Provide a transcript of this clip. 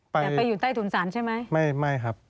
ไปอยู่ใต้ถุนศาลใช่ไหมไปไหนไปไหนไม่ครับ